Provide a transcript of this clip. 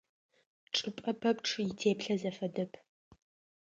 Чӏыпӏэ пэпчъ итеплъэ зэфэдэп.